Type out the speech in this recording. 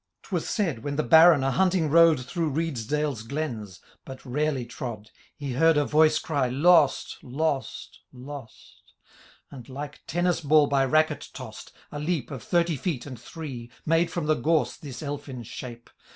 59 ^was said, when the Baron arhnnting rode Through Reedsdale^s glens, but rarely trod, He heard a voice cry, Lost ! lost ! lost I" And, like tennis ball by racket toas'd, A leap, of thirty feet and three, Made from the gorse this elfin shape.